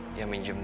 bukan orang tuanya